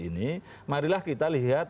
ini marilah kita lihat